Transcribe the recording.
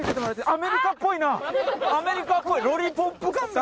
アメリカっぽいロリポップ感が。